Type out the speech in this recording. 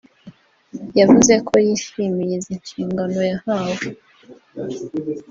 yavuze ko yishimiye izi nshingano yahawe